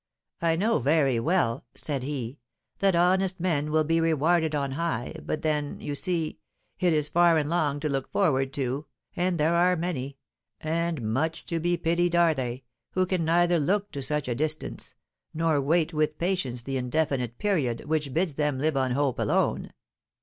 'I know very well,' said he, 'that honest men will be rewarded on high, but then, you see, it is far and long to look forward to, and there are many (and much to be pitied are they) who can neither look to such a distance, nor wait with patience the indefinite period which bids them live on hope alone.